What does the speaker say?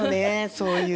そうそう。